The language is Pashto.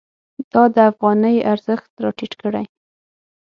دا د افغانۍ ارزښت راټیټ کړی.